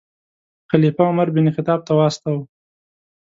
خلیفه عمر بن خطاب ته واستاوه.